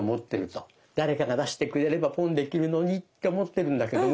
誰かが出してくれれば「ポン」できるのにって思ってるんだけども。